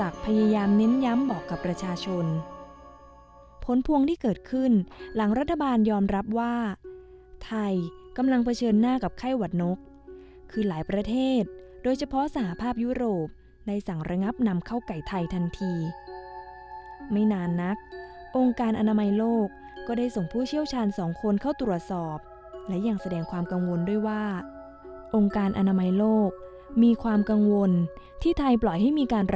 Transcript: พยายามเน้นย้ำบอกกับประชาชนผลพวงที่เกิดขึ้นหลังรัฐบาลยอมรับว่าไทยกำลังเผชิญหน้ากับไข้หวัดนกคือหลายประเทศโดยเฉพาะสหภาพยุโรปได้สั่งระงับนำเข้าไก่ไทยทันทีไม่นานนักองค์การอนามัยโลกก็ได้ส่งผู้เชี่ยวชาญสองคนเข้าตรวจสอบและยังแสดงความกังวลด้วยว่าองค์การอนามัยโลกมีความกังวลที่ไทยปล่อยให้มีการร